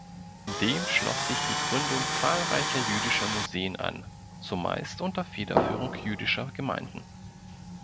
Dem schloss sich die Gründung zahlreicher jüdischer Museen an, zumeist unter Federführung jüdischer Gemeinden.